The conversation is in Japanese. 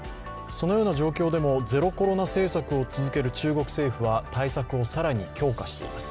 そのような状況でも、ゼロコロナ政策を続ける中国は対策を更に強化しています。